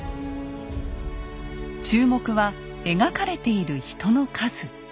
注目は描かれている人の数。